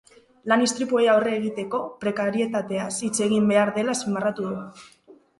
Lan-istripuei aurre egiteko, prekarietateaz hitz egin behar dela azpimarratu du.